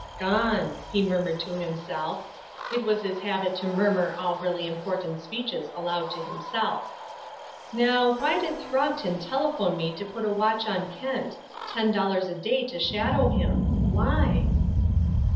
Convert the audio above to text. "Gone!" he murmured to himself (it was his habit to murmur all really important speeches aloud to himself). "Now, why did Throgton telephone to me to put a watch on Kent? Ten dollars a day to shadow him! Why?"